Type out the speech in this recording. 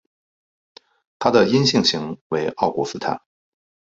它的阴性型为奥古斯塔。